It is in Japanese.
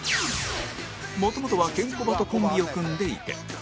もともとはケンコバとコンビを組んでいて